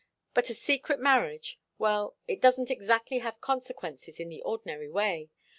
But a secret marriage well, it doesn't exactly have consequences, in the ordinary way.